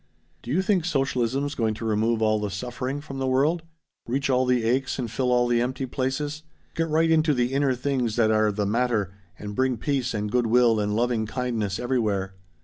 "Do you think socialism's going to remove all the suffering from the world? Reach all the aches and fill all the empty places? Get right into the inner things that are the matter and bring peace and good will and loving kindness everywhere?"